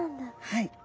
はい。